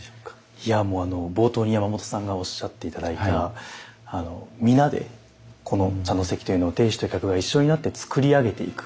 いやもうあの冒頭に山本さんがおっしゃって頂いた皆でこの茶の席というのを亭主と客が一緒になって作り上げていく。